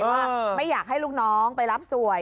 ว่าไม่อยากให้ลูกน้องไปรับสวย